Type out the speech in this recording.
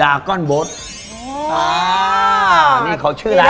อ้านี่เขาชื่อละนึ้ง